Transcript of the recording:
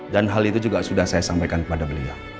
dan hal itu juga sudah saya sampaikan kepada beliau